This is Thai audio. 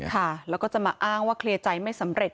ค่ะแล้วก็จะมาอ้างว่าเคลียร์ใจไม่สำเร็จ